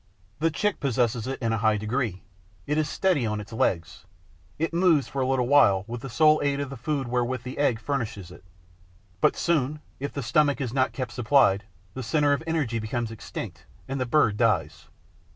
The chick possesses it in a high degree: it is steady on its legs, it moves for a little while with the sole aid of the food wherewith the egg furnishes it; but soon, if the stomach is not kept supplied, the centre of energy becomes extinct and the bird dies.